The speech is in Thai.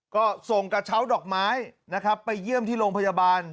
ก็ส่งกระเช้าดอกไม้นะครับไปเยี่ยมที่โรงพยาบาล